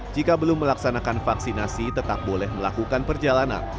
jika belum melaksanakan vaksinasi tetap boleh melakukan perjalanan